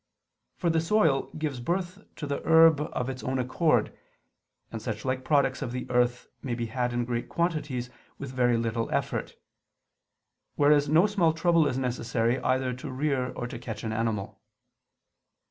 For the soil gives birth to the herb of its own accord; and such like products of the earth may be had in great quantities with very little effort: whereas no small trouble is necessary either to rear or to catch an animal.